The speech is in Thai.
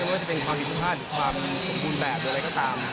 ถ้ามนี่จะเป็นความผิดปราจความสู่คุณแบบโดยอะไรก็ตาม